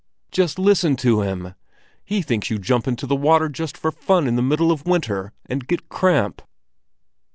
"Just listen to him! He thinks you jump into the water for fun in the middle of winter, and get cramp!"